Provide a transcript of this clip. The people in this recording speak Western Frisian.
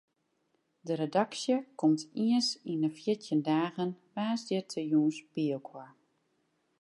De redaksje komt ienris yn de fjirtjin dagen woansdeitejûns byinoar.